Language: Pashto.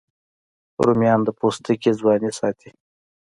رومیان د پوستکي ځواني ساتي